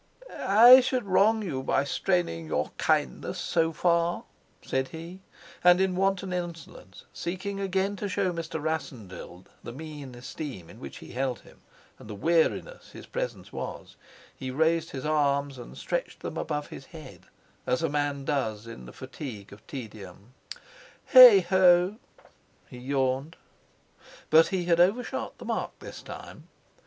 "I should wrong you by straining your kindness so far," said he; and in wanton insolence, seeking again to show Mr. Rassendyll the mean esteem in which he held him, and the weariness his presence was, he raised his arms and stretched them above his head, as a man does in the fatigue of tedium. "Heigho!" he yawned. But he had overshot the mark this time.